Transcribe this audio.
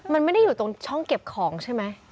มันไม่ได้อยู่ตรงช่องเก็บของใช่ไหม